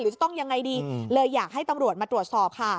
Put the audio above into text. จะต้องยังไงดีเลยอยากให้ตำรวจมาตรวจสอบค่ะ